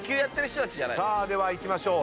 ではいきましょう。